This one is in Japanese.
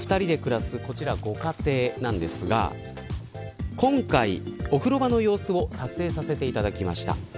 都内に夫婦と子ども２人で暮らすこちらのご家庭なんですが今回、お風呂場の様子を撮影させていただきました。